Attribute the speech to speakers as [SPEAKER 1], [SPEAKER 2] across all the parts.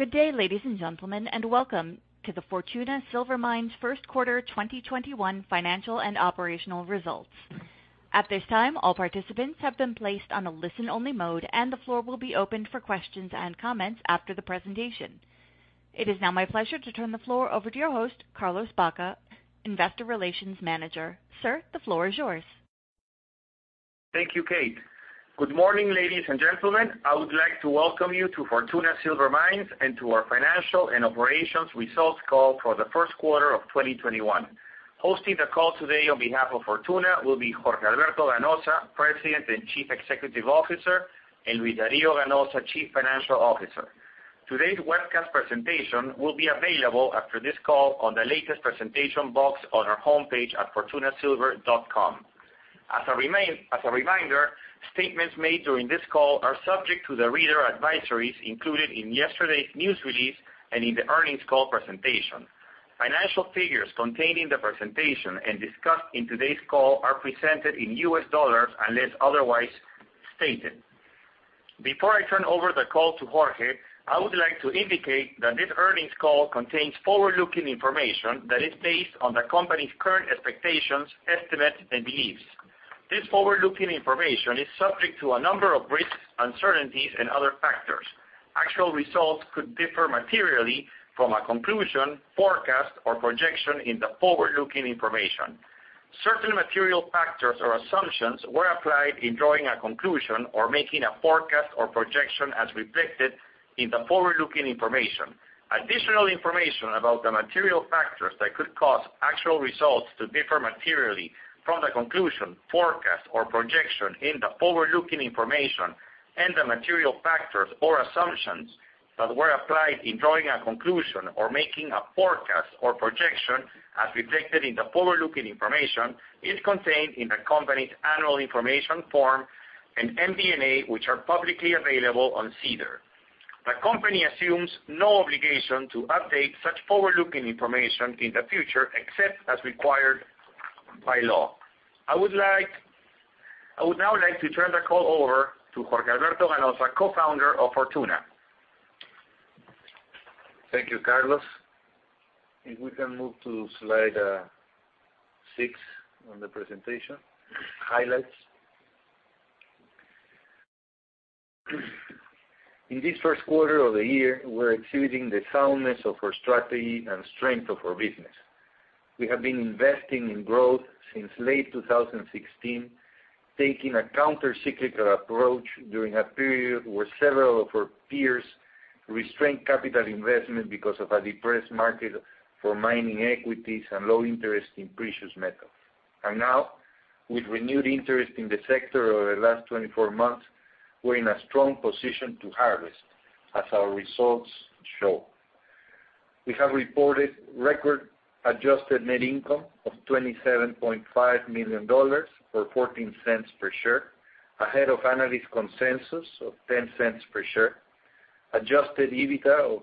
[SPEAKER 1] Good day, ladies and gentlemen, welcome to the Fortuna Silver Mines First Quarter 2021 Financial and Operational Results. At this time, all participants have been placed on a listen-only mode, and the floor will be opened for questions and comments after the presentation. It is now my pleasure to turn the floor over to your host, Carlos Baca, Investor Relations Manager. Sir, the floor is yours.
[SPEAKER 2] Thank you, Kate. Good morning, ladies and gentlemen. I would like to welcome you to Fortuna Silver Mines, and to our Financial and Operations Results Call for the First Quarter of 2021. Hosting the call today on behalf of Fortuna will be Jorge Alberto Ganoza, President and Chief Executive Officer, and Luis Dario Ganoza, Chief Financial Officer. Today's webcast presentation will be available after this call on the Latest Presentation box on our homepage at fortunasilver.com. As a reminder, statements made during this call are subject to the reader advisories included in yesterday's news release and in the earnings call presentation. Financial figures contained in the presentation and discussed in today's call are presented in U.S. dollars unless otherwise stated. Before I turn over the call to Jorge, I would like to indicate that this earnings call contains forward-looking information that is based on the company's current expectations, estimates, and beliefs. This forward-looking information is subject to a number of risks, uncertainties, and other factors. Actual results could differ materially from a conclusion, forecast, or projection in the forward-looking information. Certain material factors or assumptions were applied in drawing a conclusion or making a forecast or projection as reflected in the forward-looking information. Additional information about the material factors that could cause actual results to differ materially from the conclusion, forecast, or projection in the forward-looking information and the material factors or assumptions that were applied in drawing a conclusion or making a forecast or projection as reflected in the forward-looking information is contained in the company's annual information form and MD&A, which are publicly available on SEDAR. The company assumes no obligation to update such forward-looking information in the future, except as required by law. I would now like to turn the call over to Jorge Alberto Ganoza, Co-Founder of Fortuna.
[SPEAKER 3] Thank you, Carlos. If we can move to slide six on the presentation, highlights. In this first quarter of the year, we're exhibiting the soundness of our strategy and strength of our business. We have been investing in growth since late 2016, taking a counter-cyclical approach during a period where several of our peers restrained capital investment because of a depressed market for mining equities and low interest in precious metals. Now, with renewed interest in the sector over the last 24 months, we're in a strong position to harvest, as our results show. We have reported record adjusted net income of $27.5 million, or $0.14 per share, ahead of analyst consensus of $0.10 per share. Adjusted EBITDA of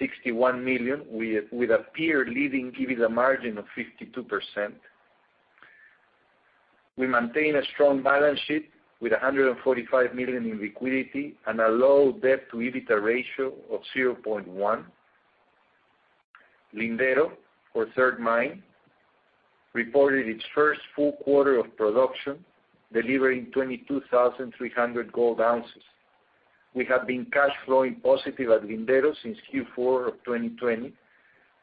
[SPEAKER 3] $61 million, with a peer-leading EBITDA margin of 52%. We maintain a strong balance sheet with $145 million in liquidity and a low debt-to-EBITDA ratio of 0.1. Lindero, our third mine, reported its first full quarter of production, delivering 22,300 gold ounces. We have been cash flowing positive at Lindero since Q4 of 2020,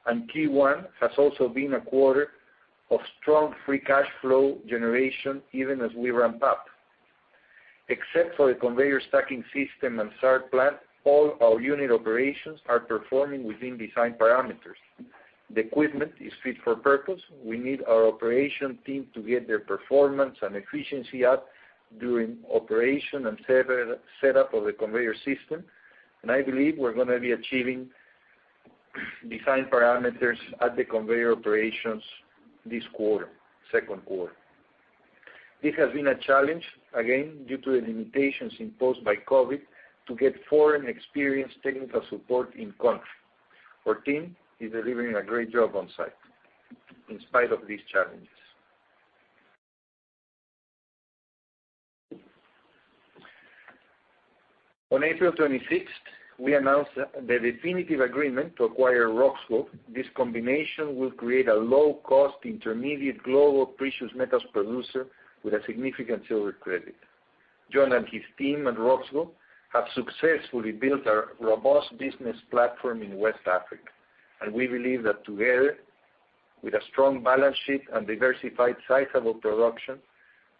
[SPEAKER 3] and Q1 has also been a quarter of strong free cash flow generation, even as we ramp up. Except for the conveyor stacking system and SART plant, all our unit operations are performing within design parameters. The equipment is fit for purpose. We need our operation team to get their performance and efficiency up during operation and setup of the conveyor system, and I believe we're going to be achieving design parameters at the conveyor operations this quarter, second quarter. This has been a challenge, again, due to the limitations imposed by COVID, to get foreign experienced technical support in country. Our team is delivering a great job on-site, in spite of these challenges. On April 26th, we announced the definitive agreement to acquire Roxgold. This combination will create a low-cost intermediate global precious metals producer with a significant silver credit. John and his team at Roxgold have successfully built a robust business platform in West Africa, and we believe that together, with a strong balance sheet and diversified sizable production,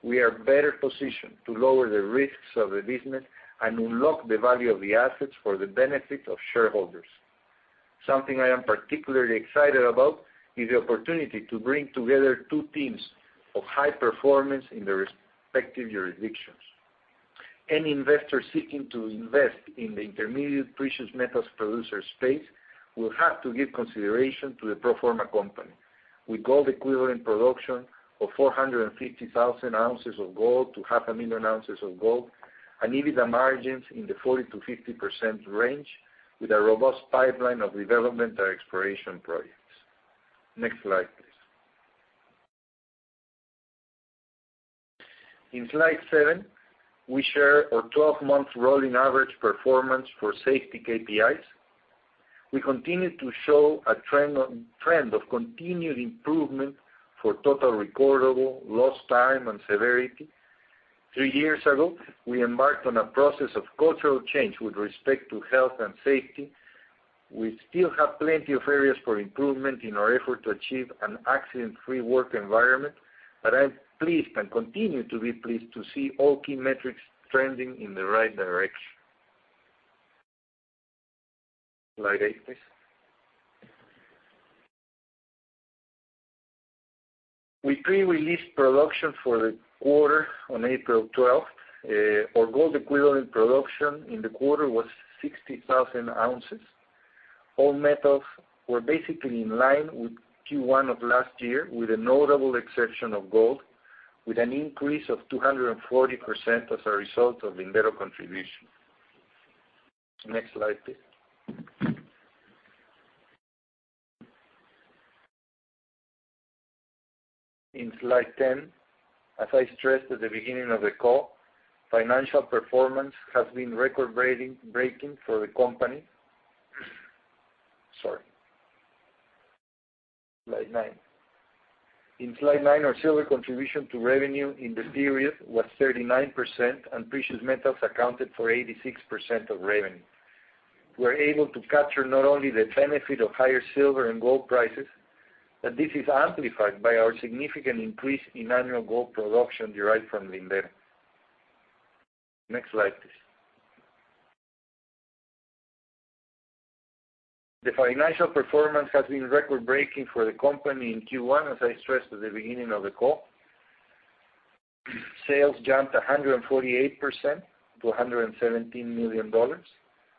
[SPEAKER 3] we are better positioned to lower the risks of the business and unlock the value of the assets for the benefit of shareholders. Something I am particularly excited about is the opportunity to bring together two teams of high performance in their respective jurisdictions. Any investor seeking to invest in the intermediate precious metals producer space will have to give consideration to the pro forma company. With gold equivalent production of 450,000 ounces of gold-500,000 ounces of gold, EBITDA margins in the 40%-50% range, with a robust pipeline of development and exploration projects. Next slide, please. In slide seven, we share our 12-month rolling average performance for safety KPIs. We continue to show a trend of continued improvement for total recordable, lost time, and severity. Three years ago, we embarked on a process of cultural change with respect to health and safety. We still have plenty of areas for improvement in our effort to achieve an accident-free work environment, but I'm pleased and continue to be pleased to see all key metrics trending in the right direction. Slide eight, please. We pre-released production for the quarter on April 12th. Our gold equivalent production in the quarter was 60,000 ounces. All metals were basically in line with Q1 of last year, with the notable exception of gold, with an increase of 240% as a result of Lindero contribution. Next slide, please. In slide 10, as I stressed at the beginning of the call, financial performance has been record-breaking for the company. Sorry. Slide nine. In slide nine, our silver contribution to revenue in the period was 39%, and precious metals accounted for 86% of revenue. We are able to capture not only the benefit of higher silver and gold prices, but this is amplified by our significant increase in annual gold production derived from Lindero. Next slide, please. The financial performance has been record-breaking for the company in Q1, as I stressed at the beginning of the call. Sales jumped 148% to $117 million.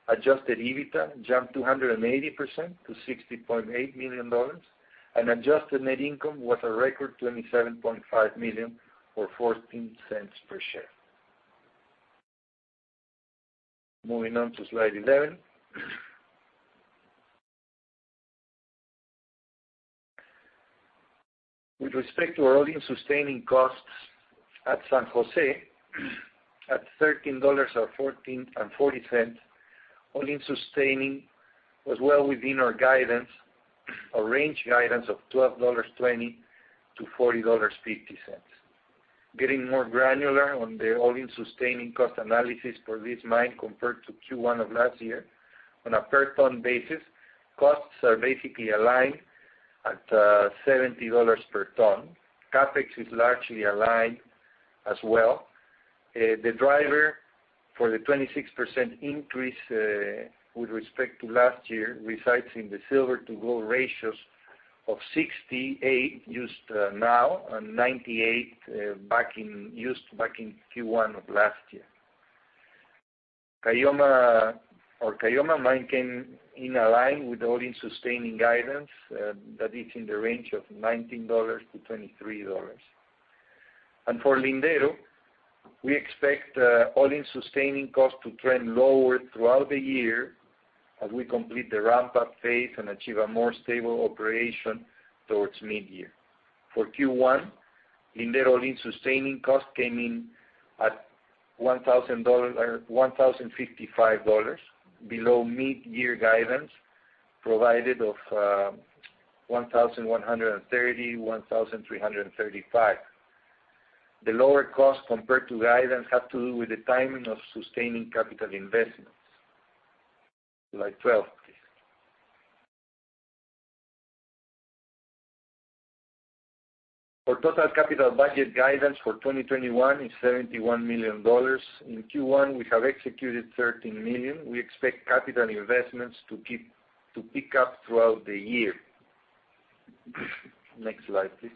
[SPEAKER 3] Adjusted EBITDA jumped 280% to $60.8 million. Adjusted net income was a record $27.5 million, or $0.14 per share. Moving on to slide 11. With respect to our all-in sustaining costs at San Jose, at $13.40, all-in sustaining was well within our range guidance of $12.20-$14.50. Getting more granular on the all-in sustaining cost analysis for this mine compared to Q1 of last year. On a per-ton basis, costs are basically aligned at $70/ton. CapEx is largely aligned as well. The driver for the 26% increase with respect to last year resides in the silver-to-gold ratios of 68 used now and 98 used back in Q1 of last year. Caylloma mine came in line with all-in sustaining guidance that is in the range of $19-$23. For Lindero, we expect all-in sustaining costs to trend lower throughout the year as we complete the ramp-up phase and achieve a more stable operation towards mid-year. For Q1, Lindero all-in sustaining cost came in at $1,055, below mid-year guidance provided of $1,130-$1,335. The lower cost compared to guidance had to do with the timing of sustaining capital investments. Slide 12, please. Our total capital budget guidance for 2021 is $71 million. In Q1, we have executed $13 million. We expect capital investments to pick up throughout the year. Next slide, please.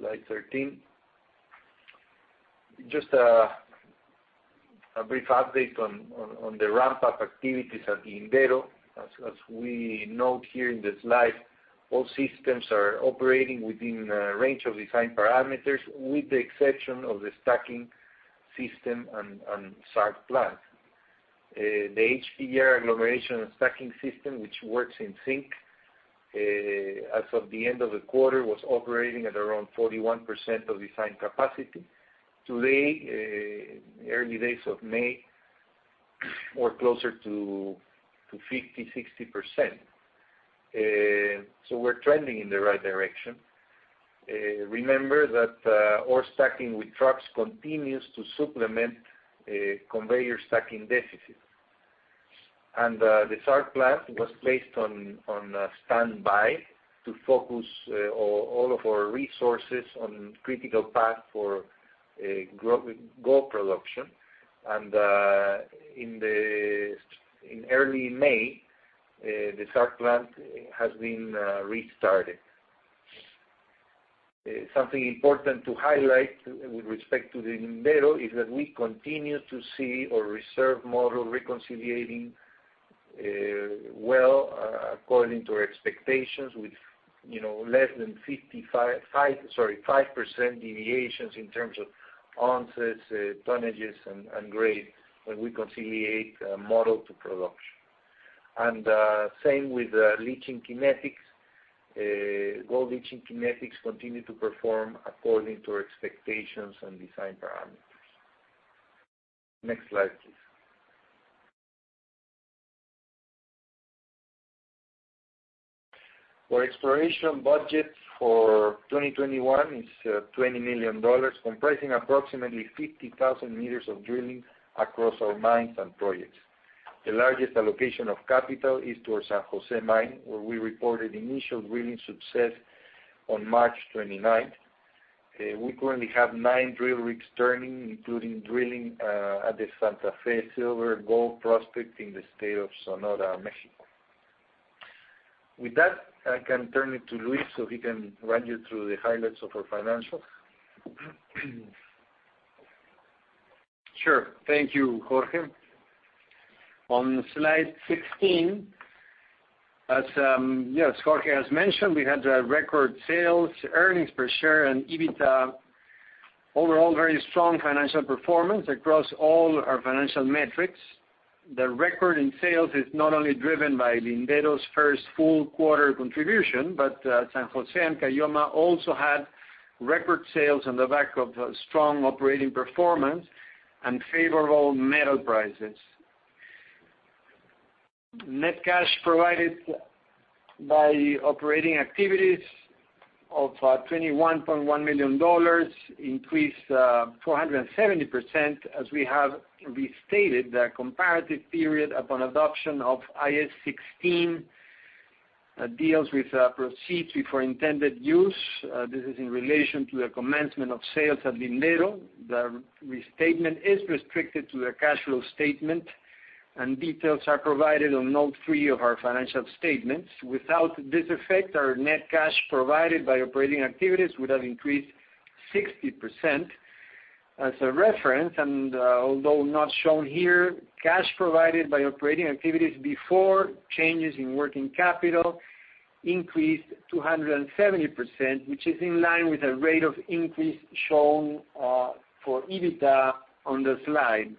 [SPEAKER 3] Slide 13. Just a brief update on the ramp-up activities at Lindero. As we note here in the slide, all systems are operating within a range of design parameters, with the exception of the stacking system and SART plant. The HPGR agglomeration and stacking system, which works in sync, as of the end of the quarter, was operating at around 41% of design capacity. Early days of May, we're closer to 50%, 60%. We're trending in the right direction. Remember that ore stacking with trucks continues to supplement conveyor stacking deficits. The SART plant was placed on standby to focus all of our resources on critical path for gold production and in early May, the SART plant has been restarted. Something important to highlight with respect to Lindero is that we continue to see our reserve model reconciling well according to our expectations with less than 5% deviations in terms of ounces, tonnages, and grade when we reconcile model to production. Same with leaching kinetics. Gold leaching kinetics continue to perform according to our expectations and design parameters. Next slide, please. Our exploration budget for 2021 is $20 million, comprising approximately 50,000 m of drilling across our mines and projects. The largest allocation of capital is towards San Jose Mine, where we reported initial drilling success on March 29th. We currently have nine drill rigs turning, including drilling at the Santa Fe silver-gold prospect in the state of Sonora, Mexico. With that, I can turn it to Luis so he can run you through the highlights of our financials.
[SPEAKER 4] Sure. Thank you, Jorge. On slide 16, as Jorge has mentioned, we had record sales, earnings per share and EBITDA. Overall, very strong financial performance across all our financial metrics. The record in sales is not only driven by Lindero's first full quarter contribution, but San Jose and Caylloma also had record sales on the back of strong operating performance and favorable metal prices. Net cash provided by operating activities of $21.1 million, increased 470%, as we have restated the comparative period upon adoption of IAS 16 deals with proceeds before intended use. This is in relation to the commencement of sales at Lindero. The restatement is restricted to the cash flow statement, and details are provided on note three of our financial statements. Without this effect, our net cash provided by operating activities would have increased 60%. As a reference, and although not shown here, cash provided by operating activities before changes in working capital increased 270%, which is in line with the rate of increase shown for EBITDA on the slide.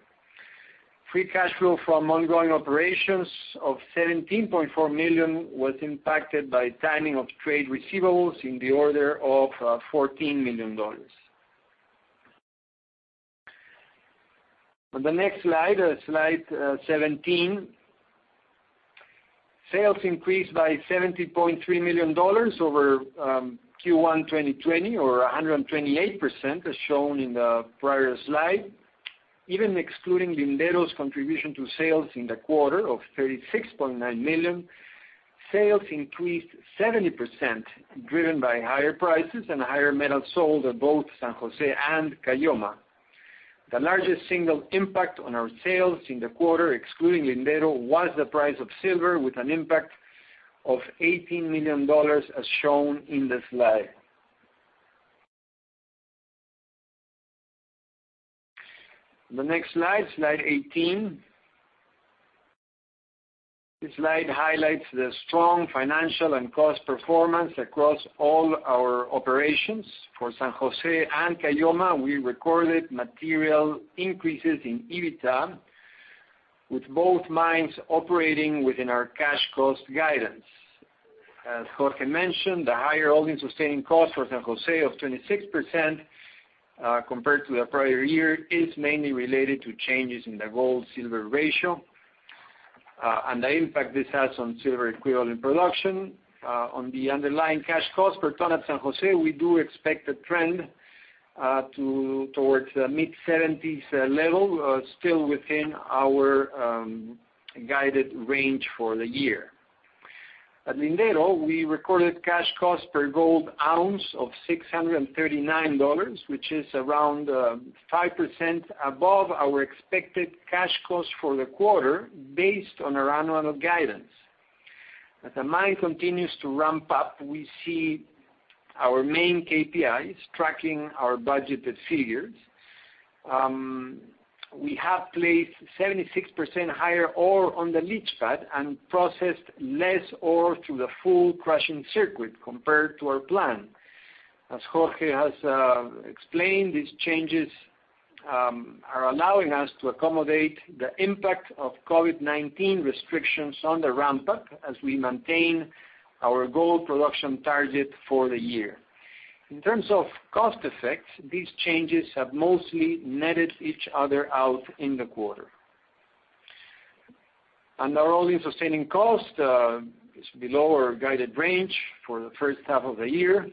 [SPEAKER 4] Free cash flow from ongoing operations of $17.4 million was impacted by timing of trade receivables in the order of $14 million. On the next slide 17. Sales increased by $70.3 million over Q1 2020, or 128%, as shown in the prior slide. Even excluding Lindero's contribution to sales in the quarter of $36.9 million, sales increased 70%, driven by higher prices and higher metal sold at both San Jose and Caylloma. The largest single impact on our sales in the quarter, excluding Lindero, was the price of silver with an impact of $18 million, as shown in the slide. On the next slide 18. This slide highlights the strong financial and cost performance across all our operations. For San Jose and Caylloma, we recorded material increases in EBITDA, with both mines operating within our cash cost guidance. As Jorge mentioned, the higher all-in sustaining costs for San Jose of 26% compared to the prior year is mainly related to changes in the gold-silver ratio, and the impact this has on silver equivalent production. On the underlying cash cost per ton at San Jose, we do expect a trend towards the mid-70s level, still within our guided range for the year. At Lindero, we recorded cash cost per gold ounce of $639, which is around 5% above our expected cash cost for the quarter based on our annual guidance. As the mine continues to ramp up, we see our main KPIs tracking our budgeted figures. We have placed 76% higher ore on the leach pad and processed less ore through the full crushing circuit compared to our plan. As Jorge has explained, these changes are allowing us to accommodate the impact of COVID-19 restrictions on the ramp-up as we maintain our gold production target for the year. In terms of cost effects, these changes have mostly netted each other out in the quarter. Our all-in sustaining cost is below our guided range for the first half of the year.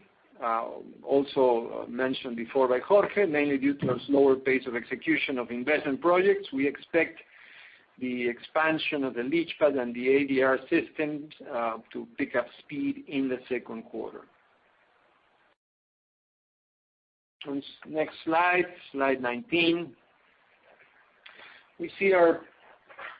[SPEAKER 4] Mentioned before by Jorge, mainly due to a slower pace of execution of investment projects. We expect the expansion of the leach pad and the ADR systems to pick up speed in the second quarter. On the next slide 19. We see our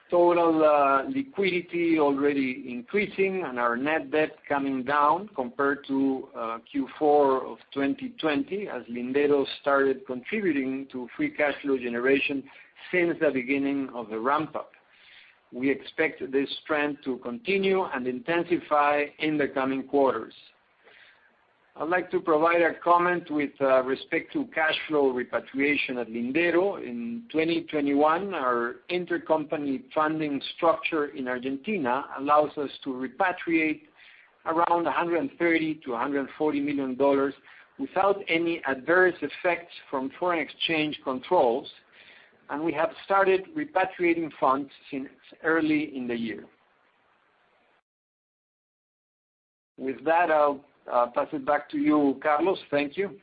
[SPEAKER 4] total liquidity already increasing and our net debt coming down compared to Q4 2020 as Lindero started contributing to free cash flow generation since the beginning of the ramp-up. We expect this trend to continue and intensify in the coming quarters. I'd like to provide a comment with respect to cash flow repatriation at Lindero. In 2021, our intercompany funding structure in Argentina allows us to repatriate around $130 million-$140 million without any adverse effects from foreign exchange controls. We have started repatriating funds since early in the year. With that, I'll pass it back to you, Carlos. Thank you.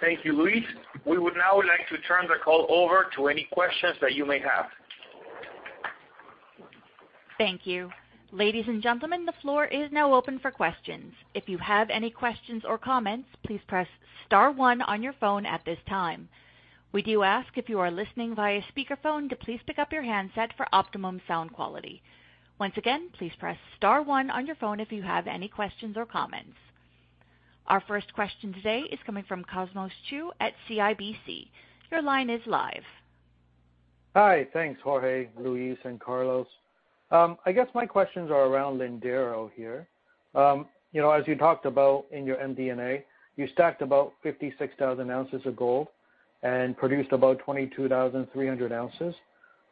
[SPEAKER 2] Thank you, Luis. We would now like to turn the call over to any questions that you may have.
[SPEAKER 1] Thank you. Ladies and gentlemen, the floor is now open for questions. If you have any questions or comments, please press star one on your phone at this time. We do ask if you are listening via speakerphone to please pick up your handset for optimum sound quality. Once again, please press star one on your phone if you have any questions or comments. Our first question today is coming from Cosmos Chiu at CIBC. Your line is live.
[SPEAKER 5] Hi. Thanks, Jorge, Luis, and Carlos. I guess my questions are around Lindero here. As you talked about in your MD&A, you stacked about 56,000 ounces of gold and produced about 22,300 ounces.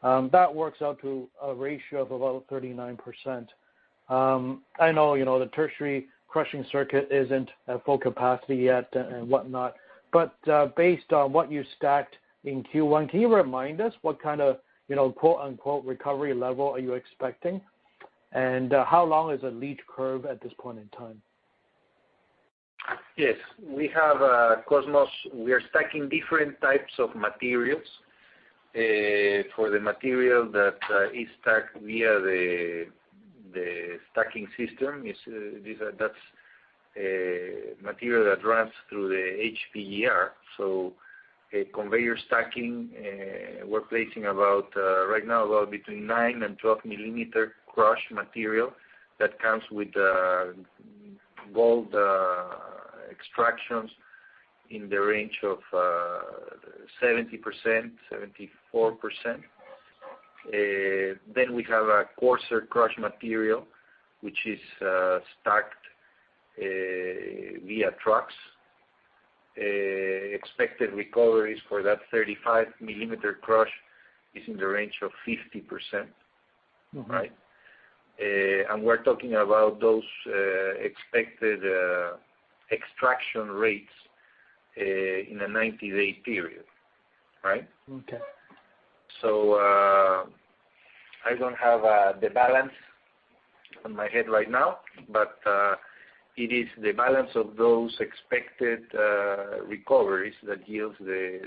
[SPEAKER 5] That works out to a ratio of about 39%. I know the tertiary crushing circuit isn't at full capacity yet and whatnot, but based on what you stacked in Q1, can you remind us what kind of "recovery level" are you expecting? How long is a leach curve at this point in time?
[SPEAKER 3] Cosmos, we are stacking different types of materials. For the material that is stacked via the stacking system, that's material that runs through the HPGR. Conveyor stacking, we're placing right now about between 9 mm and 12 mm crush material that comes with gold extractions in the range of 70%-74%. We have a coarser crush material, which is stacked via trucks. Expected recoveries for that 35 mm crush is in the range of 50%. We're talking about those expected extraction rates in a 90-day period. Right?
[SPEAKER 5] Okay.
[SPEAKER 3] I don't have the balance on my head right now, but it is the balance of those expected recoveries that yields the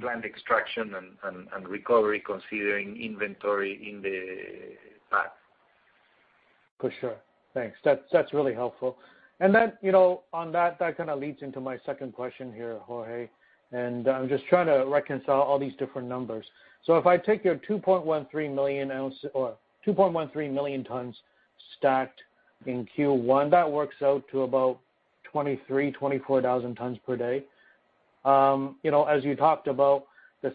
[SPEAKER 3] planned extraction and recovery considering inventory in the pad.
[SPEAKER 5] For sure. Thanks. That's really helpful. On that kind of leads into my second question here, Jorge. I'm just trying to reconcile all these different numbers. If I take your 2.13 million tons stacked in Q1, that works out to about 23,000, 24,000 tons/day. As you talked about the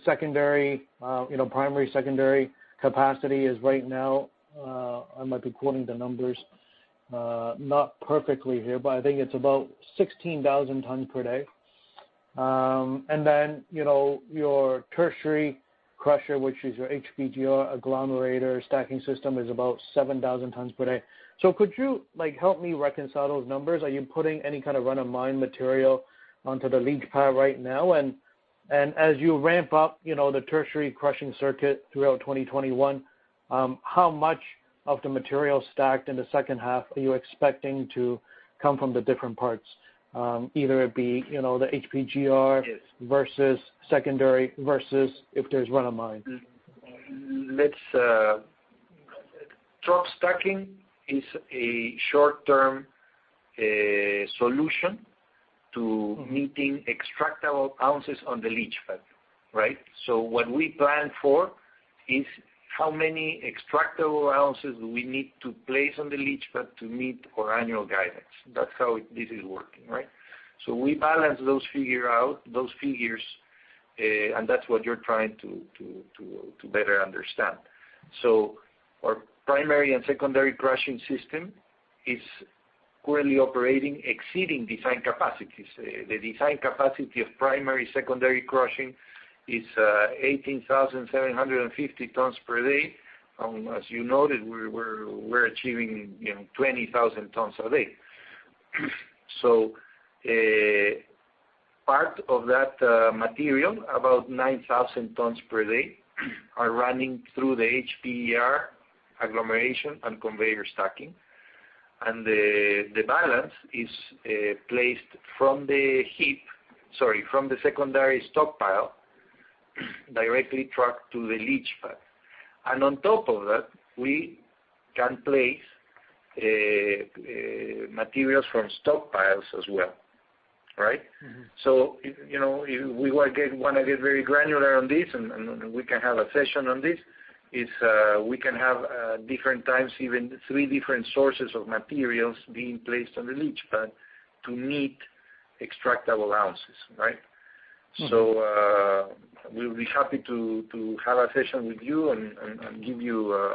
[SPEAKER 5] primary, secondary capacity is right now, I might be quoting the numbers not perfectly here, but I think it's about 16,000 tons/day. Your tertiary crusher, which is your HPGR agglomerator stacking system, is about 7,000 tons/day. Could you help me reconcile those numbers? Are you putting any kind of run of mine material onto the leach pad right now? As you ramp up the tertiary crushing circuit throughout 2021, how much of the material stacked in the second half are you expecting to come from the different parts? Either it be the HPGR versus secondary versus if there's run of mine?
[SPEAKER 3] Truck stacking is a short-term solution to meeting extractable ounces on the leach pad. What we plan for is how many extractable ounces we need to place on the leach pad to meet our annual guidance. That's how this is working. We balance those figures out, and that's what you're trying to better understand. Our primary and secondary crushing system is currently operating exceeding design capacities. The design capacity of primary, secondary crushing is 18,750 tons/day. As you noted, we're achieving 20,000 tons/day. Part of that material, about 9,000 tons/day, are running through the HPGR agglomeration and conveyor stacking. The balance is placed from the secondary stockpile directly trucked to the leach pad. On top of that, we can place materials from stockpiles as well. If we want to get very granular on this and we can have a session on this, we can have different times, even three different sources of materials being placed on the leach pad to meet extractable ounces. We'll be happy to have a session with you and give you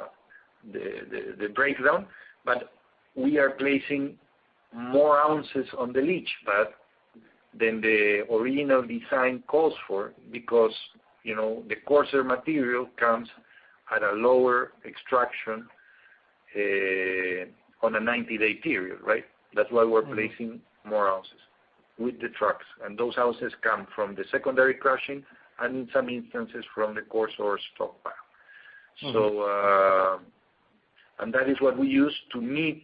[SPEAKER 3] the breakdown. We are placing more ounces on the leach pad than the original design calls for, because the coarser material comes at a lower extraction on a 90-day period. That's why we're placing more ounces with the trucks. Those ounces come from the secondary crushing, and in some instances, from the coarse ore stockpile. That is what we use to meet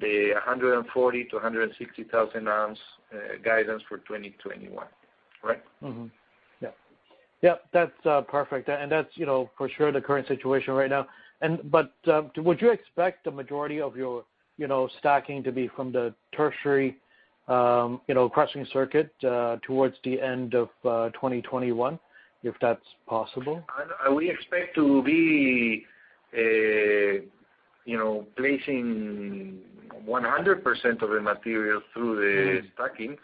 [SPEAKER 3] the 140,000-160,000 ounce guidance for 2021.
[SPEAKER 5] Mm-hmm. Yep. That's perfect. That's for sure the current situation right now. Would you expect the majority of your stacking to be from the tertiary crushing circuit towards the end of 2021, if that's possible?
[SPEAKER 3] We expect to be placing 100% of the material through the stacking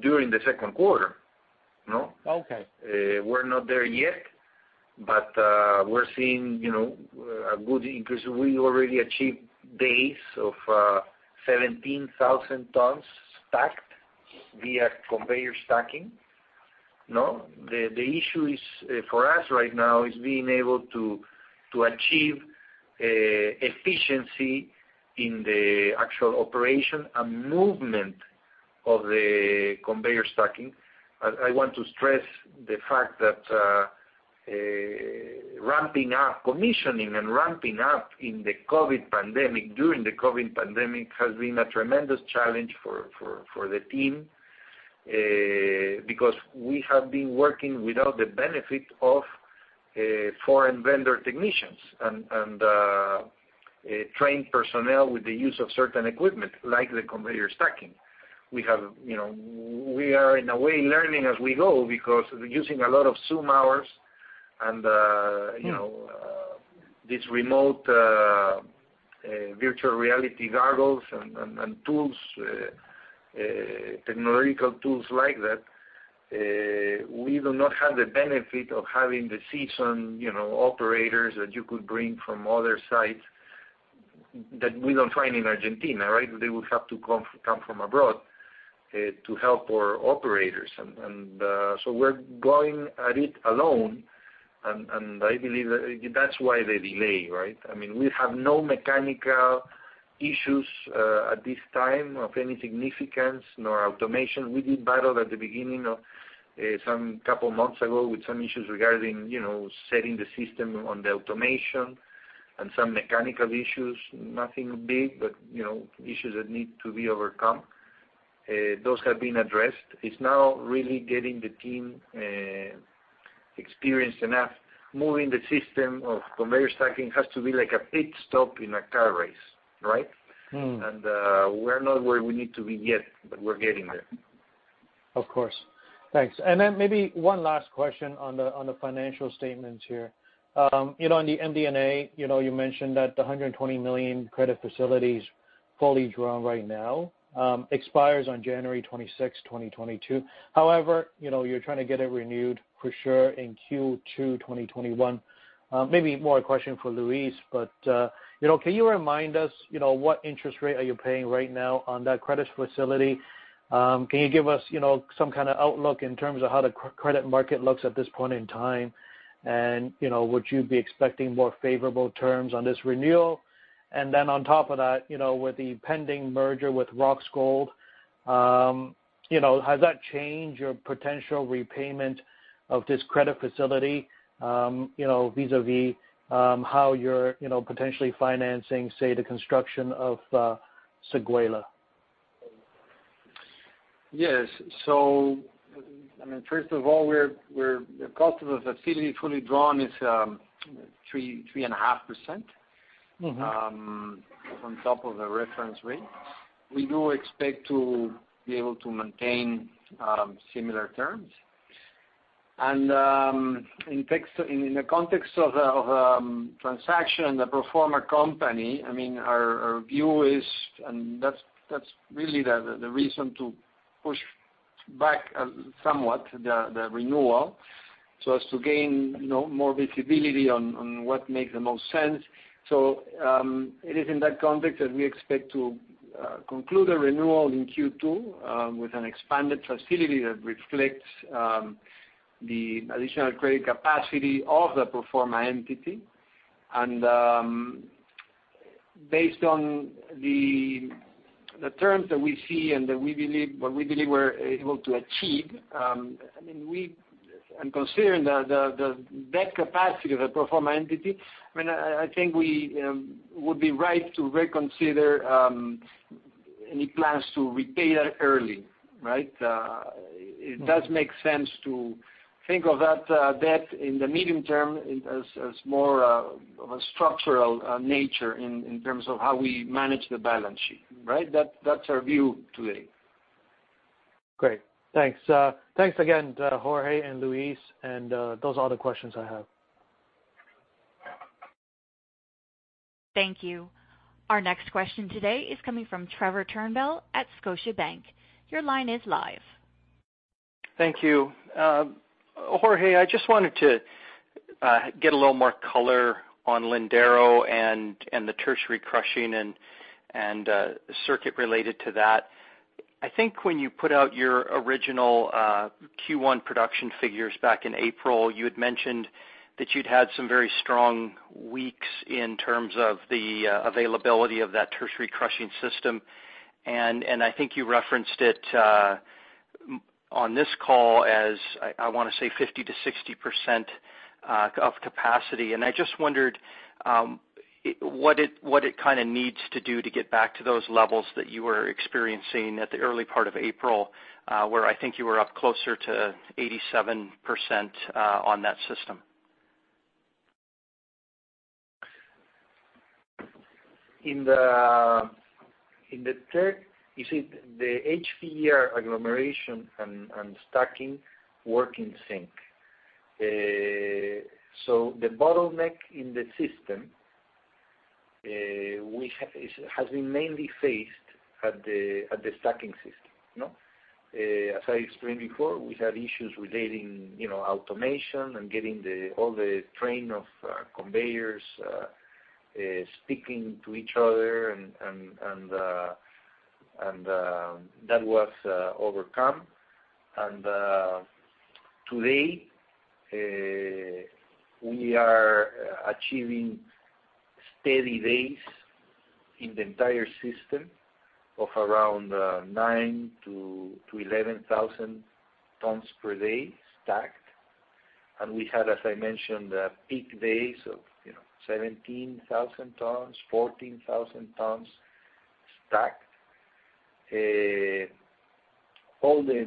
[SPEAKER 3] during the second quarter We're not there yet, but we're seeing a good increase. We already achieved days of 17,000 tons stacked via conveyor stacking. The issue for us right now is being able to achieve efficiency in the actual operation and movement of the conveyor stacking. I want to stress the fact that commissioning and ramping up during the COVID pandemic has been a tremendous challenge for the team, because we have been working without the benefit of foreign vendor technicians and trained personnel with the use of certain equipment, like the conveyor stacking. We are, in a way, learning as we go because we're using a lot of Zoom hours and these remote virtual reality goggles and technological tools like that. We do not have the benefit of having the seasoned operators that you could bring from other sites that we don't find in Argentina. They would have to come from abroad to help our operators. We're going at it alone, and I believe that's why the delay. We have no mechanical issues at this time of any significance, nor automation. We did battle at the beginning, some couple months ago, with some issues regarding setting the system on the automation and some mechanical issues. Nothing big, but issues that need to be overcome. Those have been addressed. It's now really getting the team experienced enough. Moving the system of conveyor stacking has to be like a pit stop in a car race. We're not where we need to be yet, but we're getting there.
[SPEAKER 5] Of course. Thanks. Maybe one last question on the financial statements here. In the MD&A, you mentioned that the $120 million credit facility's fully drawn right now, expires on January 26th, 2022. However, you're trying to get it renewed for sure in Q2 2021. Maybe more a question for Luis. Can you remind us what interest rate are you paying right now on that credit facility? Can you give us some kind of outlook in terms of how the credit market looks at this point in time? Would you be expecting more favorable terms on this renewal? On top of that, with the pending merger with Roxgold, has that changed your potential repayment of this credit facility vis-a-vis how you're potentially financing, say, the construction of Séguéla?
[SPEAKER 4] Yes. First of all, the cost of the facility fully drawn is 3.5% on top of the reference rate. We do expect to be able to maintain similar terms. In the context of transaction, the pro forma company, our view is, and that's really the reason to push back somewhat the renewal, so as to gain more visibility on what makes the most sense. It is in that context that we expect to conclude a renewal in Q2 with an expanded facility that reflects the additional credit capacity of the pro forma entity. Based on the terms that we see and what we believe we're able to achieve, and considering the debt capacity of the pro forma entity, I think we would be right to reconsider any plans to repay that early. It does make sense to think of that debt in the medium term as more of a structural nature in terms of how we manage the balance sheet. That's our view today.
[SPEAKER 5] Great. Thanks. Thanks again, Jorge and Luis. Those are all the questions I have.
[SPEAKER 1] Thank you. Our next question today is coming from Trevor Turnbull at Scotiabank. Your line is live.
[SPEAKER 6] Thank you. Jorge, I just wanted to get a little more color on Lindero and the tertiary crushing and the circuit related to that. I think when you put out your original Q1 production figures back in April, you had mentioned that you'd had some very strong weeks in terms of the availability of that tertiary crushing system. I think you referenced it on this call as, I want to say 50%-60% of capacity. I just wondered what it needs to do to get back to those levels that you were experiencing at the early part of April where I think you were up closer to 87% on that system.
[SPEAKER 3] You see, the HPGR agglomeration and stacking work in sync. The bottleneck in the system has been mainly faced at the stacking system. As I explained before, we had issues relating automation and getting all the train of conveyors speaking to each other, and that was overcome. Today, we are achieving steady days in the entire system of around 9,000-11,000 tons/day stacked. We had, as I mentioned, peak days of 17,000 tons, 14,000 tons stacked. All the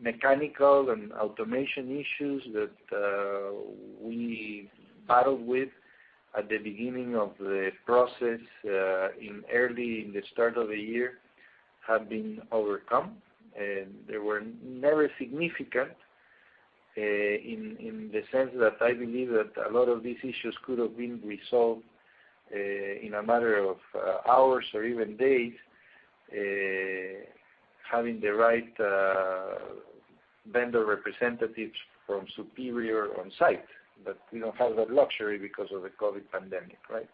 [SPEAKER 3] mechanical and automation issues that we battled with at the beginning of the process early in the start of the year have been overcome. They were never significant in the sense that I believe that a lot of these issues could have been resolved in a matter of hours or even days, having the right vendor representatives from Superior on site. We don't have that luxury because of the COVID pandemic, right?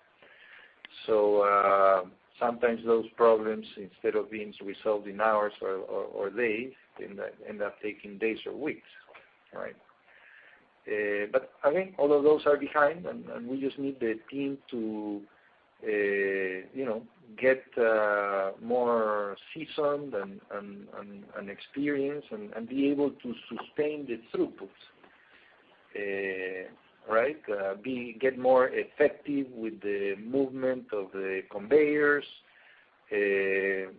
[SPEAKER 3] Sometimes those problems, instead of being resolved in hours or days, end up taking days or weeks. I think all of those are behind and we just need the team to get more seasoned and experienced and be able to sustain the throughput. Get more effective with the movement of the conveyors, with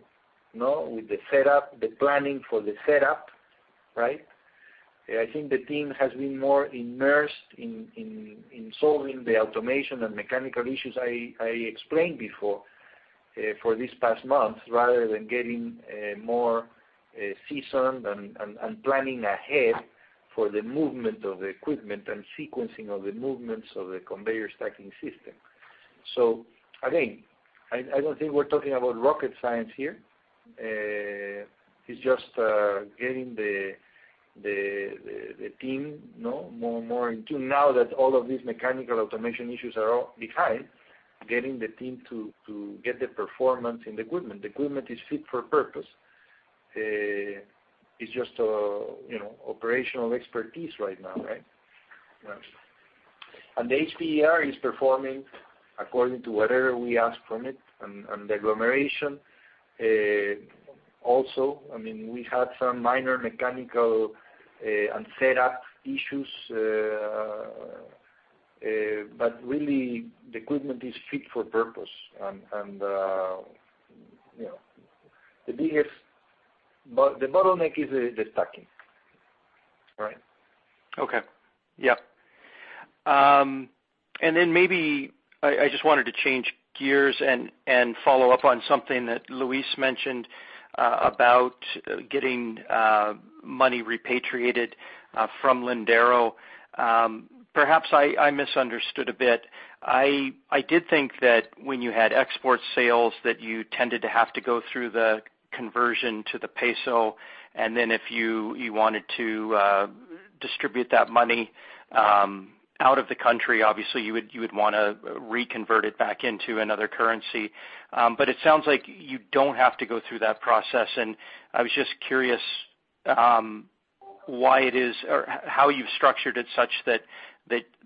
[SPEAKER 3] the planning for the setup. I think the team has been more immersed in solving the automation and mechanical issues I explained before for this past month, rather than getting more seasoned and planning ahead for the movement of the equipment and sequencing of the movements of the conveyor stacking system. Again, I don't think we're talking about rocket science here. It's just getting the team more in tune now that all of these mechanical automation issues are all behind, getting the team to get the performance and the equipment. The equipment is fit for purpose. It's just operational expertise right now. The HPGR is performing according to whatever we ask from it. The agglomeration also. We had some minor mechanical and setup issues, but really the equipment is fit for purpose. The bottleneck is the stacking.
[SPEAKER 6] Okay. Maybe I just wanted to change gears and follow up on something that Luis mentioned about getting money repatriated from Lindero. Perhaps I misunderstood a bit. I did think that when you had export sales that you tended to have to go through the conversion to the peso, and then if you wanted to distribute that money out of the country, obviously you would want to reconvert it back into another currency. It sounds like you don't have to go through that process, and I was just curious why it is or how you've structured it such that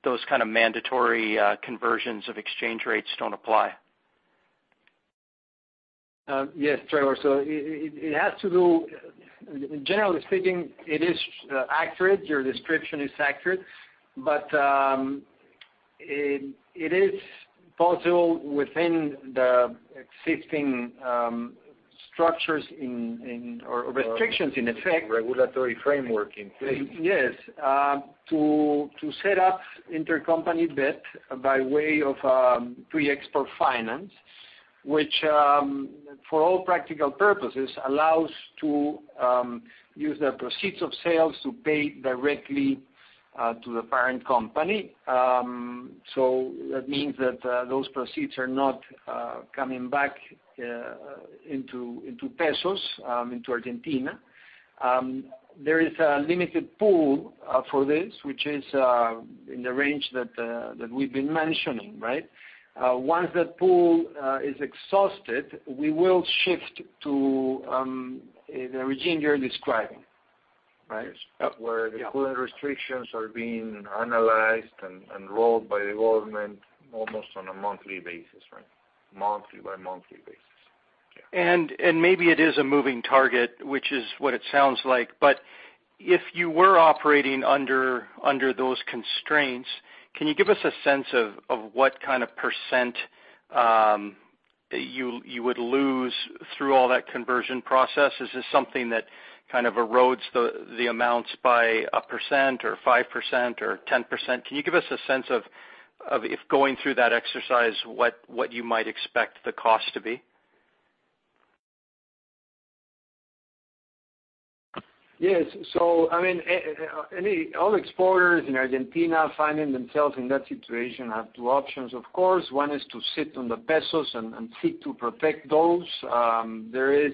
[SPEAKER 6] those kind of mandatory conversions of exchange rates don't apply.
[SPEAKER 4] Yes, Trevor. Generally speaking, it is accurate. Your description is accurate, but it is possible within the existing structures or restrictions in effect.
[SPEAKER 3] Regulatory framework in place.
[SPEAKER 4] Yes. To set up intercompany debt by way of pre-export finance, which for all practical purposes, allows to use the proceeds of sales to pay directly to the parent company. That means that those proceeds are not coming back into pesos, into Argentina. There is a limited pool for this, which is in the range that we've been mentioning. Once that pool is exhausted, we will shift to the regime you're describing.
[SPEAKER 3] Where the pool and restrictions are being analyzed and rolled by the government almost on a monthly basis. Monthly by monthly basis. Yeah.
[SPEAKER 6] Maybe it is a moving target, which is what it sounds like. If you were operating under those constraints, can you give us a sense of what kind of percent you would lose through all that conversion process? Is this something that erodes the amounts by 1% or 5% or 10%? Can you give us a sense of, if going through that exercise, what you might expect the cost to be?
[SPEAKER 4] Yes. All exporters in Argentina finding themselves in that situation have two options. Of course, one is to sit on the pesos and seek to protect those. There is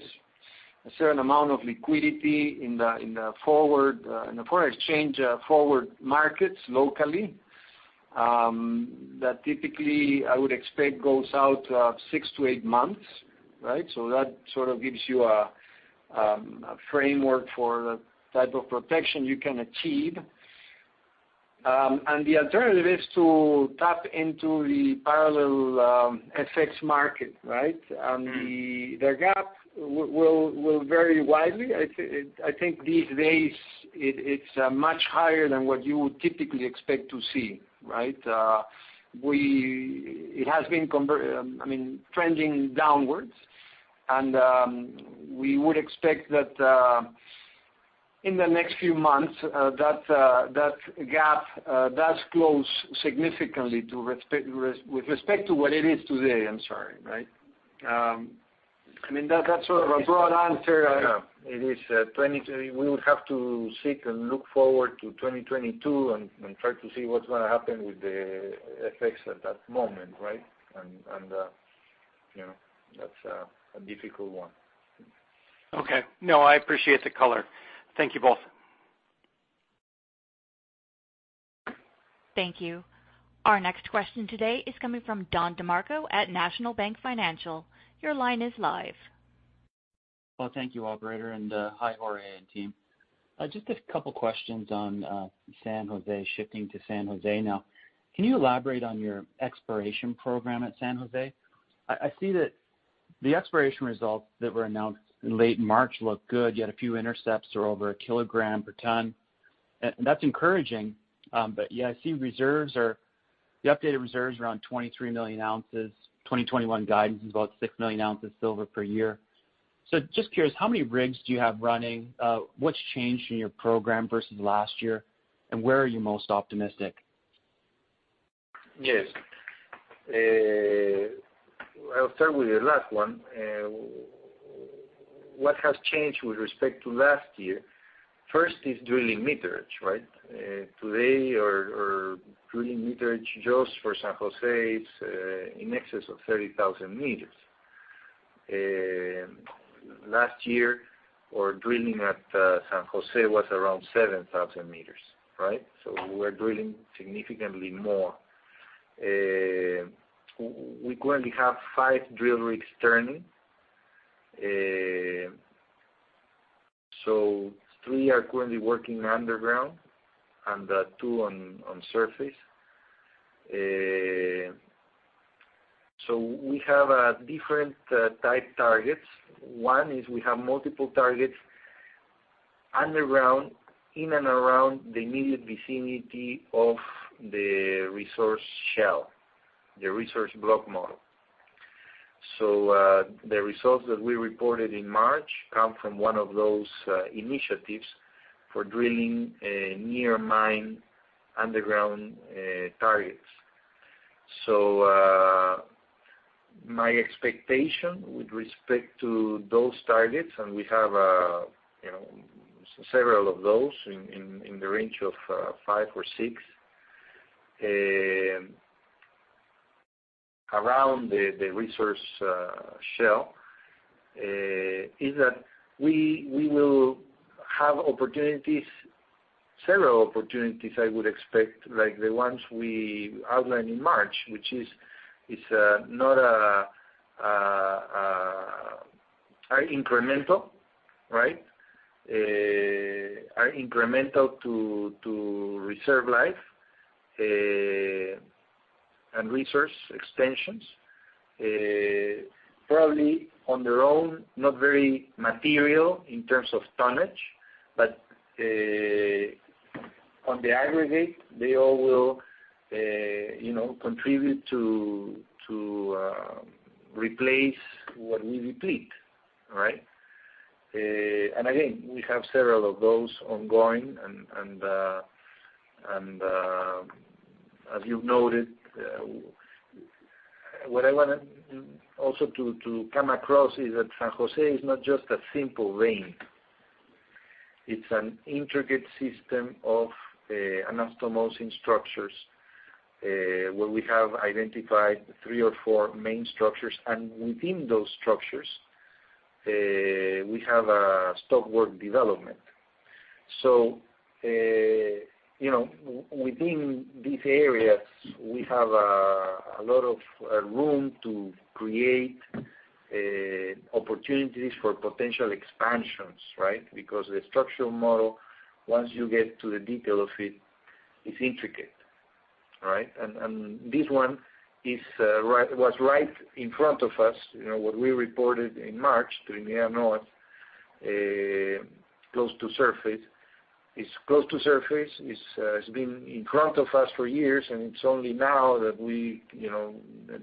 [SPEAKER 4] a certain amount of liquidity in the foreign exchange forward markets locally that typically, I would expect, goes out six to eight months. That sort of gives you a framework for the type of protection you can achieve. The alternative is to tap into the parallel FX market. The gap will vary widely. I think these days it's much higher than what you would typically expect to see. It has been trending downwards. We would expect that in the next few months, that gap does close significantly with respect to what it is today. I'm sorry. That's sort of a broad answer. We would have to sit and look forward to 2022 and try to see what's going to happen with the FX at that moment. That's a difficult one.
[SPEAKER 6] Okay. No, I appreciate the color. Thank you both.
[SPEAKER 1] Thank you. Our next question today is coming from Don DeMarco at National Bank Financial. Your line is live.
[SPEAKER 7] Well, thank you, operator. Hi, Jorge and team. Just a two questions on shifting to San Jose now. Can you elaborate on your exploration program at San Jose? I see that the exploration results that were announced in late March looked good, you had a few intercepts that are over a kilogram per ton. That's encouraging. Yeah, I see the updated reserves are around 23 million ounces. 2021 guidance is about 6 million ounces silver/year. Just curious, how many rigs do you have running? What's changed in your program versus last year? Where are you most optimistic?
[SPEAKER 3] Yes. I'll start with the last one. What has changed with respect to last year? First is drilling meterage. Today our drilling meterage just for San Jose, it's in excess of 30,000 m. Last year our drilling at San Jose was around 7,000 m. We're drilling significantly more. We currently have five drill rigs turning. Three are currently working underground and two on surface. We have different type targets. One is we have multiple targets underground in and around the immediate vicinity of the resource shell, the resource block model. The results that we reported in March come from one of those initiatives for drilling near mine underground targets. My expectation with respect to those targets, and we have several of those in the range of five or six around the resource shell, is that we will have several opportunities, I would expect, like the ones we outlined in March, which are incremental to reserve life and resource extensions. Probably on their own, not very material in terms of tonnage, but on the aggregate, they all will contribute to replace what we deplete. Again, we have several of those ongoing. As you've noted, what I wanted also to come across is that San Jose is not just a simple vein. It's an intricate system of anastomosing structures, where we have identified three or four main structures, and within those structures, we have stock work development. Within these areas, we have a lot of room to create opportunities for potential expansions. Because the structural model, once you get to the detail of it, is intricate. This one was right in front of us, what we reported in March during the annual, close to surface. It's close to surface. It's been in front of us for years, and it's only now that we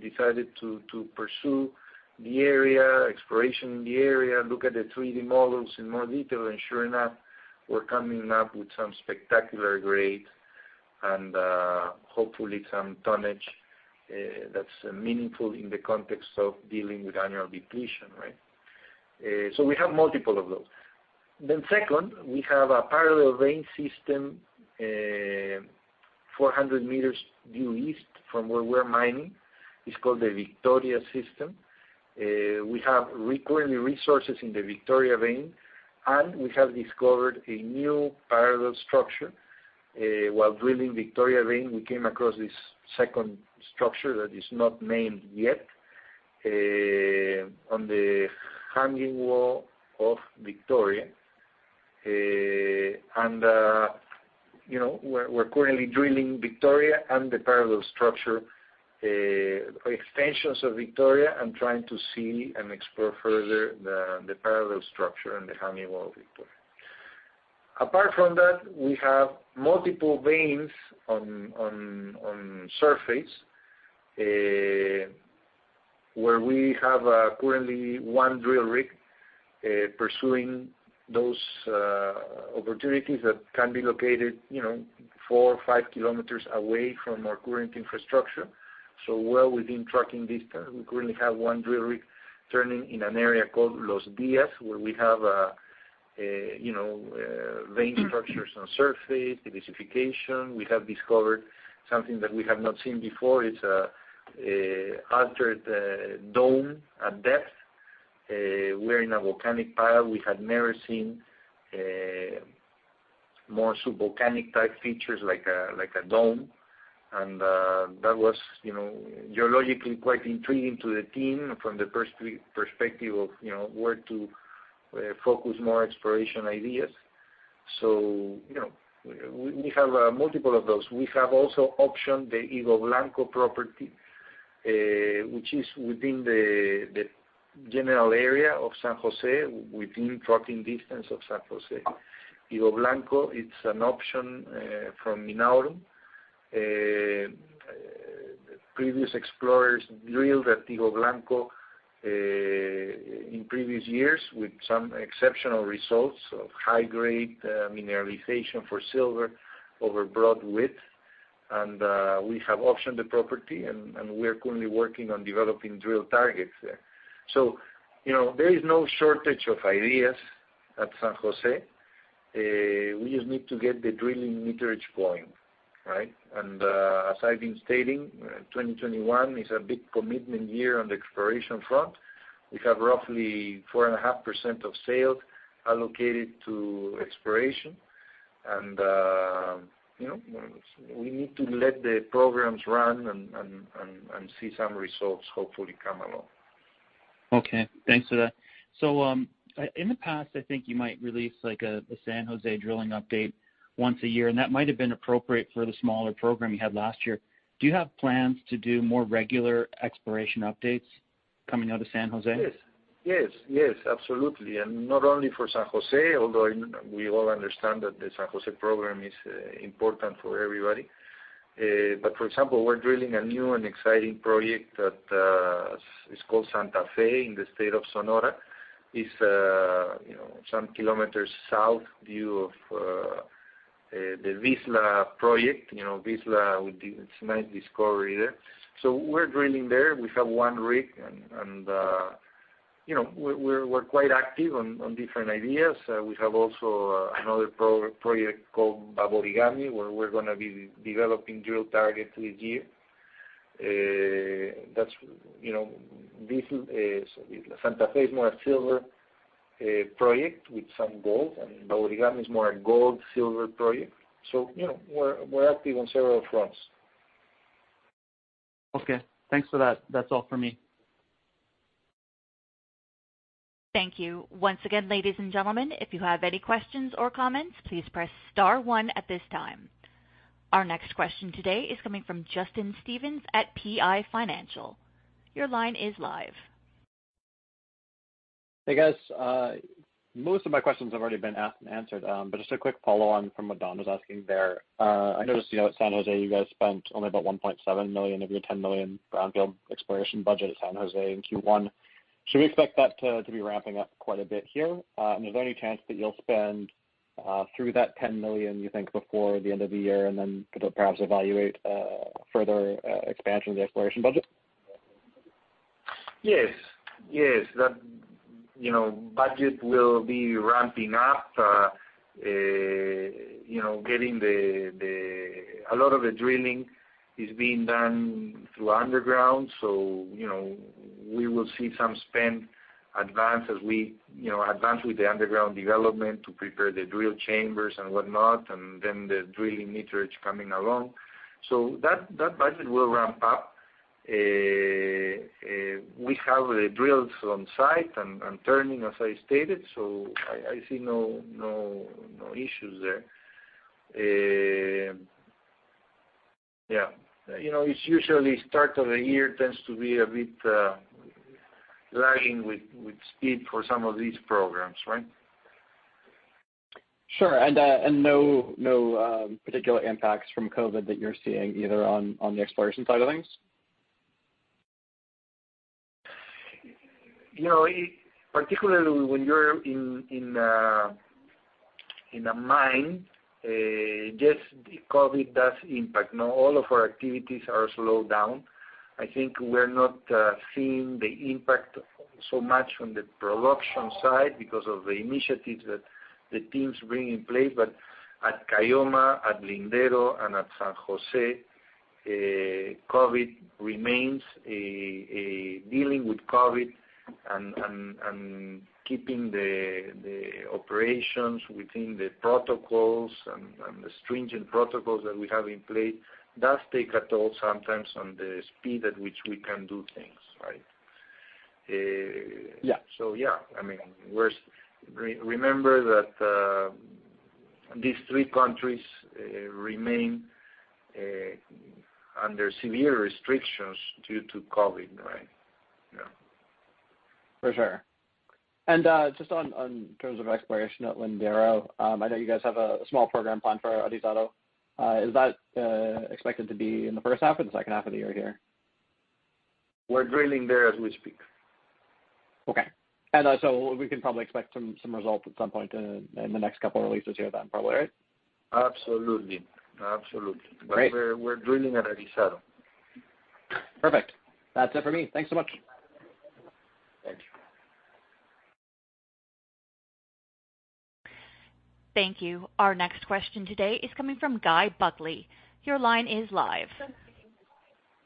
[SPEAKER 3] decided to pursue the area, exploration in the area, look at the 3D models in more detail. Sure enough, we're coming up with some spectacular grade and hopefully some tonnage that's meaningful in the context of dealing with annual depletion. We have multiple of those. Second, we have a parallel vein system 400 m due east from where we're mining. It's called the Victoria system. We have currently resources in the Victoria vein, and we have discovered a new parallel structure. While drilling Victoria vein, we came across this second structure that is not named yet, on the hanging wall of Victoria. We're currently drilling Victoria and the parallel structure, extensions of Victoria, and trying to see and explore further the parallel structure and the hanging wall of Victoria. Apart from that, we have multiple veins on surface, where we have currently one drill rig pursuing those opportunities that can be located 4 or 5 km away from our current infrastructure, so well within trucking distance. We currently have 1 drill rig turning in an area called Los Diaz, where we have vein structures on surface, the silicification. We have discovered something that we have not seen before. It's an altered dome at depth. We're in a volcanic pile. We had never seen more subvolcanic-type features like a dome. That was geologically quite intriguing to the team from the perspective of where to focus more exploration ideas. We have multiple of those. We have also optioned the Higo Blanco property, which is within the general area of San Jose, within trucking distance of San Jose. Higo Blanco, it's an option from Minaurum. Previous explorers drilled at Higo Blanco in previous years with some exceptional results of high-grade mineralization for silver over broad width. We have optioned the property. We are currently working on developing drill targets there. There is no shortage of ideas at San Jose. We just need to get the drilling meterage going. As I've been stating, 2021 is a big commitment year on the exploration front. We have roughly 4.5% of sales allocated to exploration. We need to let the programs run and see some results hopefully come along.
[SPEAKER 7] Thanks for that. In the past, I think you might release a San Jose drilling update once a year, and that might have been appropriate for the smaller program you had last year. Do you have plans to do more regular exploration updates coming out of San Jose?
[SPEAKER 3] Yes. Absolutely. Not only for San Jose, although we all understand that the San Jose program is important for everybody. For example, we're drilling a new and exciting project that is called Santa Fe in the state of Sonora. It's some kilometers south due of the Vizsla project. Vizsla, it's a nice discovery there. We're drilling there. We have one rig, and we're quite active on different ideas. We have also another project called Baborigame, where we're going to be developing drill targets this year. Santa Fe is more a silver project with some gold, and Baborigame is more a gold, silver project. We're active on several fronts.
[SPEAKER 7] Okay. Thanks for that. That's all for me.
[SPEAKER 1] Thank you. Our next question today is coming from Justin Stevens at PI Financial. Your line is live.
[SPEAKER 8] Hey, guys. Most of my questions have already been asked and answered. Just a quick follow-on from what Don was asking there. I noticed at San Jose, you guys spent only about $1.7 million of your $10 million brownfield exploration budget at San Jose in Q1. Should we expect that to be ramping up quite a bit here? Is there any chance that you'll spend through that $10 million, you think before the end of the year, and then could perhaps evaluate further expansion of the exploration budget?
[SPEAKER 3] Yes. Budget will be ramping up. A lot of the drilling is being done through underground, so we will see some spend advance as we advance with the underground development to prepare the drill chambers and whatnot, and then the drilling meterage coming along. That budget will ramp up. We have the drills on site and turning, as I stated. I see no issues there. It's usually start of the year tends to be a bit lagging with speed for some of these programs, right?
[SPEAKER 8] Sure. No particular impacts from COVID that you're seeing either on the exploration side of things?
[SPEAKER 3] Particularly when you're in a mine, yes, COVID does impact. All of our activities are slowed down. I think we're not seeing the impact so much on the production side because of the initiatives that the teams bring in place. At Caylloma, at Lindero, and at San Jose, dealing with COVID and keeping the operations within the protocols and the stringent protocols that we have in place does take a toll sometimes on the speed at which we can do things. Yeah. Remember that these three countries remain under severe restrictions due to COVID, right?
[SPEAKER 8] For sure. Just on terms of exploration at Lindero, I know you guys have a small program planned for Arizaro. Is that expected to be in the first half or the second half of the year here?
[SPEAKER 3] We're drilling there as we speak.
[SPEAKER 8] Okay. We can probably expect some result at some point in the next couple of releases here then probably, right?
[SPEAKER 3] Absolutely.
[SPEAKER 8] Great.
[SPEAKER 3] We're drilling at Arizaro.
[SPEAKER 8] Perfect. That's it for me. Thanks so much.
[SPEAKER 3] Thank you.
[SPEAKER 1] Thank you. Our next question today is coming from Guy Buckley. Your line is live.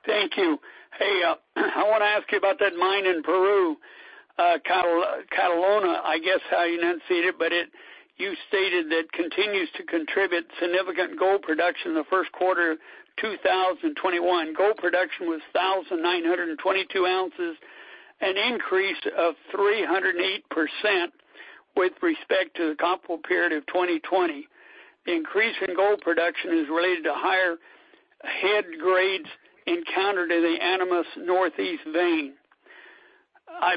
[SPEAKER 9] Thank you. Hey, I want to ask you about that mine in Peru, Caylloma, I guess how you enunciate it. You stated that continues to contribute significant gold production in the first quarter 2021. Gold production was 1,922 ounces, an increase of 308% with respect to the comparable period of 2020. The increase in gold production is related to higher head grades encountered in the Animas Northeast vein. I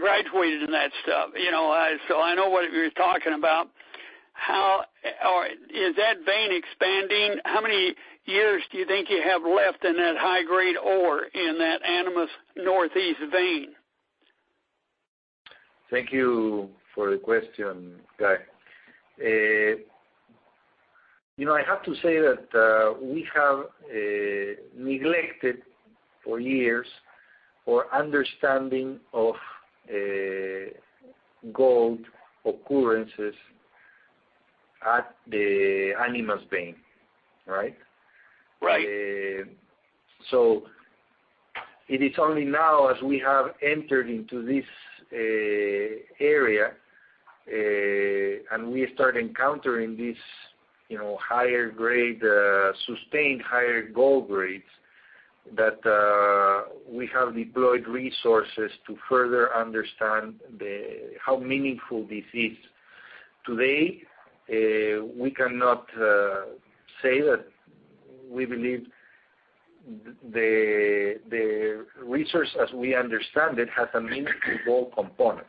[SPEAKER 9] graduated in that stuff, I know what you're talking about. Is that vein expanding? How many years do you think you have left in that high-grade ore in that Animas Northeast vein?
[SPEAKER 3] Thank you for the question, Guy. I have to say that we have neglected for years our understanding of gold occurrences at the Animas vein. It is only now as we have entered into this area, and we start encountering these sustained higher gold grades, that we have deployed resources to further understand how meaningful this is. Today, we cannot say that we believe the resource, as we understand it, has a meaningful gold component.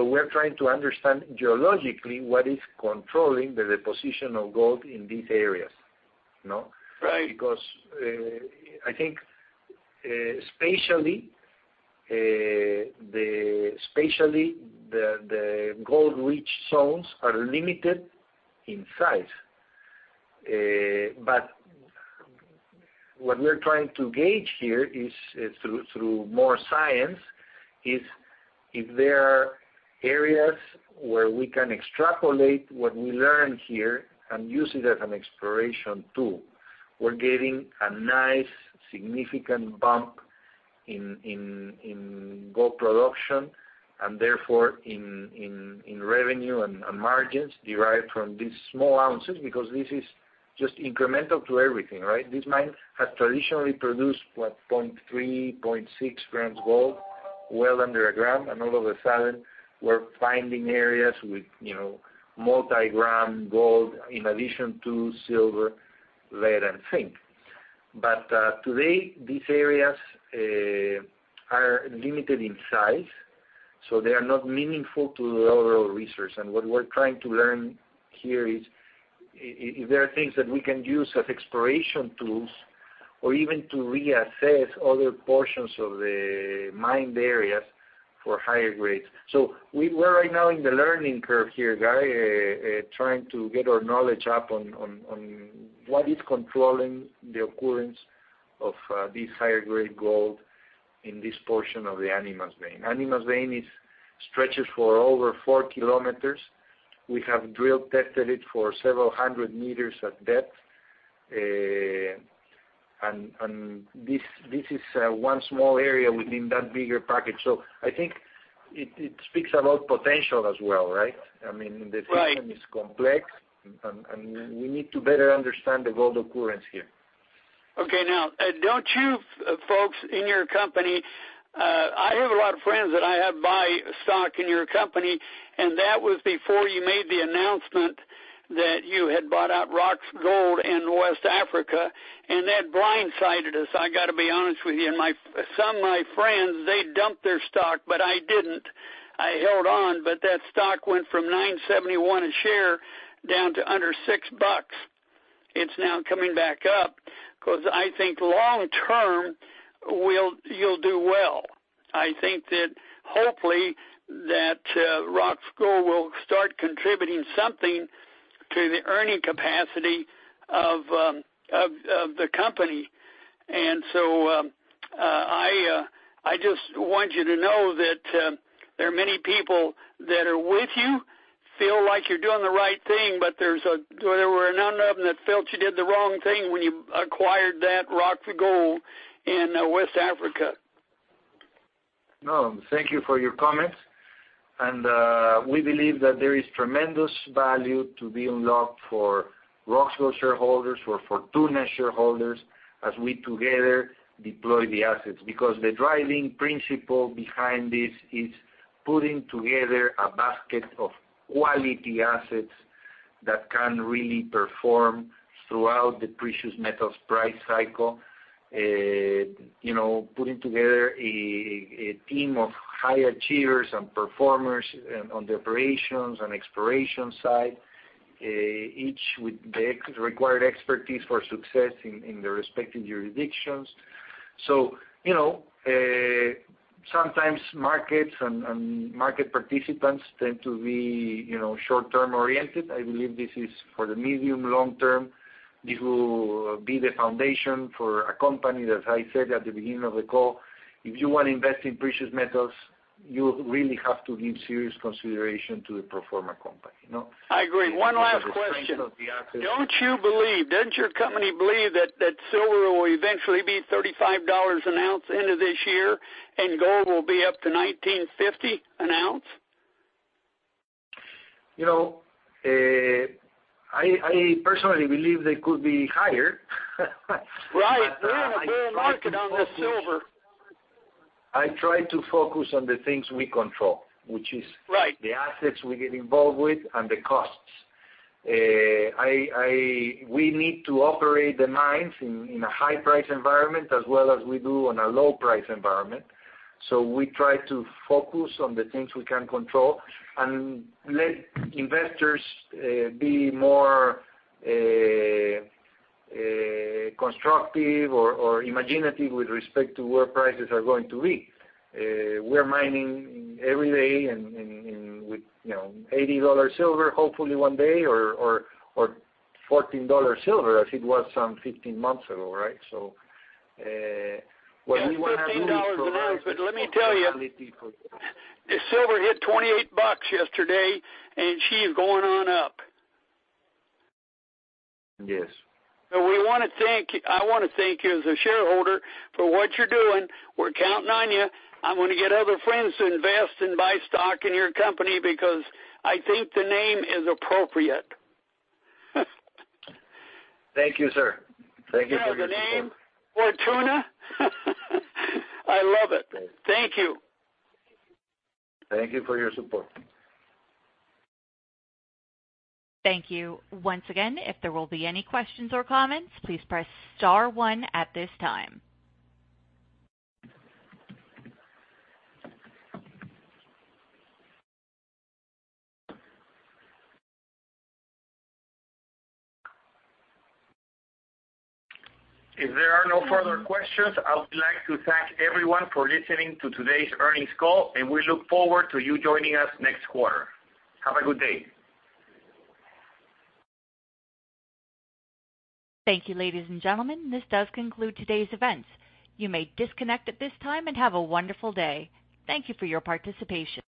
[SPEAKER 3] We're trying to understand geologically what is controlling the deposition of gold in these areas. I think spatially, the gold-rich zones are limited in size. What we're trying to gauge here is through more science, is if there are areas where we can extrapolate what we learn here and use it as an exploration tool. We're getting a nice significant bump in gold production, and therefore, in revenue and margins derived from these small ounces, because this is just incremental to everything, right? This mine has traditionally produced, what? 0.3 g, 0.6 g gold, well under a gram, and all of a sudden, we're finding areas with multi-gram gold in addition to silver, lead, and zinc. Today, these areas are limited in size, they are not meaningful to the overall research. What we're trying to learn here is if there are things that we can use as exploration tools. Or even to reassess other portions of the mined areas for higher grades. We were right now in the learning curve here, Guy Buckley, trying to get our knowledge up on what is controlling the occurrence of this higher grade gold in this portion of the Animas vein. Animas vein stretches for over 4 km. We have drill tested it for several hundred meters at depth, and this is one small area within that bigger package. I think it speaks about potential as well, right? The system is complex, and we need to better understand the gold occurrence here.
[SPEAKER 9] Okay, now, don't you folks in your company, I have a lot of friends that I have buy stock in your company. That was before you made the announcement that you had bought out Roxgold in West Africa. That blindsided us, I got to be honest with you. Some of my friends, they dumped their stock. I didn't. I held on. That stock went from $9.71 a share down to under $6. It's now coming back up because I think long-term, you'll do well. I think that hopefully that Roxgold will start contributing something to the earning capacity of the company. I just want you to know that there are many people that are with you, feel like you're doing the right thing, but there were a number of them that felt you did the wrong thing when you acquired that Roxgold in West Africa.
[SPEAKER 3] No, thank you for your comments. We believe that there is tremendous value to be unlocked for Roxgold shareholders or Fortuna shareholders as we together deploy the assets. Because the driving principle behind this is putting together a basket of quality assets that can really perform throughout the precious metals price cycle. Putting together a team of high achievers and performers on the operations and exploration side, each with the required expertise for success in the respective jurisdictions. Sometimes markets and market participants tend to be short-term oriented. I believe this is for the medium long-term. This will be the foundation for a company, as I said at the beginning of the call, if you want to invest in precious metals, you really have to give serious consideration to a performer company.
[SPEAKER 9] I agree. One last question.
[SPEAKER 3] The strength of the asset.
[SPEAKER 9] Does your company believe that silver will eventually be $35 an ounce end of this year and gold will be up to $19.50 an ounce?
[SPEAKER 3] I personally believe they could be higher.
[SPEAKER 9] Right. We're in a bull market on the silver.
[SPEAKER 3] I try to focus on the things we control.
[SPEAKER 9] Right
[SPEAKER 3] Which is the assets we get involved with and the costs. We need to operate the mines in a high price environment as well as we do on a low price environment. We try to focus on the things we can control and let investors be more constructive or imaginative with respect to where prices are going to be. We're mining every day and with $80 silver hopefully one day or $14 silver as it was some 15 months ago, right? What we want to do is provide.
[SPEAKER 9] Yeah, $15 an ounce. Let me tell you, silver hit $28 yesterday and she is going on up.
[SPEAKER 3] Yes.
[SPEAKER 9] I want to thank you as a shareholder for what you're doing. We're counting on you. I'm going to get other friends to invest and buy stock in your company because I think the name is appropriate.
[SPEAKER 3] Thank you, sir. Thank you for your support.
[SPEAKER 9] The name Fortuna, I love it. Thank you.
[SPEAKER 3] Thank you for your support.
[SPEAKER 1] Thank you. Once again, if there will be any questions or comments, please press star one at this time.
[SPEAKER 3] If there are no further questions, I would like to thank everyone for listening to today's earnings call, and we look forward to you joining us next quarter. Have a good day.
[SPEAKER 1] Thank you, ladies and gentlemen. This does conclude today's events. You may disconnect at this time and have a wonderful day. Thank you for your participation.